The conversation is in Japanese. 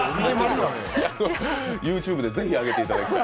ＹｏｕＴｕｂｅでぜひ上げていただきたい。